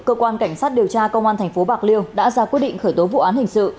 cơ quan cảnh sát điều tra công an tp bạc liêu đã ra quyết định khởi tố vụ án hình sự